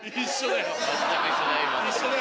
全く一緒だ